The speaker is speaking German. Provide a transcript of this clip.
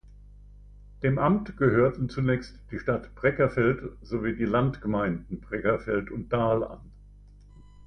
Dem Amt gehörten zunächst die Stadt Breckerfeld sowie die Landgemeinden Breckerfeld und Dahl an.